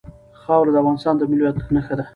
خاوره د افغانستان د ملي هویت نښه ده.